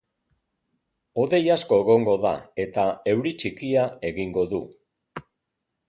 Hodei asko egongo da eta euri txikia egingo du.